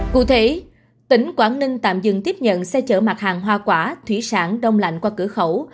cụ thể tỉnh quảng ninh tạm dừng tiếp nhận xe chở mặt hàng hoa quả thủy sản đông lạnh qua cửa khẩu